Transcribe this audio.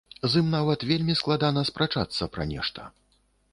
З ім нават вельмі складана спрачацца пра нешта.